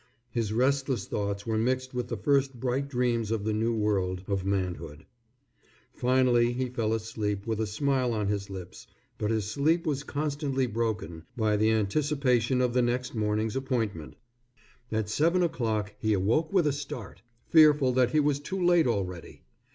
His restless thoughts were mixed with the first bright dreams of the new world of manhood. Finally he fell asleep with a smile on his lips, but his sleep was constantly broken by the anticipation of the next morning's appointment. At seven o'clock he awoke with a start, fearful that he was too late already.